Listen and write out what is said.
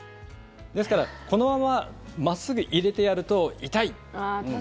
ですから、このまま真っすぐ入れてやると痛い。